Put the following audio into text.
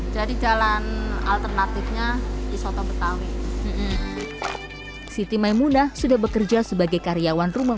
jadi jalan alternatifnya di soto betawi siti maimunah sudah bekerja sebagai karyawan rumah